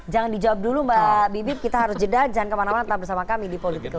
jangan dijawab dulu mbak bibip kita harus jeda jangan kemana mana tetap bersama kami di political